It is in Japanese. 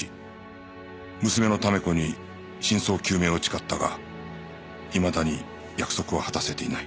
娘の試子に真相究明を誓ったがいまだに約束は果たせていない